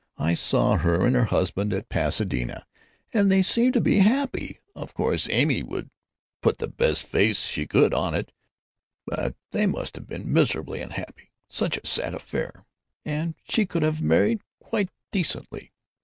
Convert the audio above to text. I saw her and her husband at Pasadena, and they seemed to be happy. Of course Amy would put the best face she could on it, but they must have been miserably unhappy—such a sad affair, and she could have married quite decently."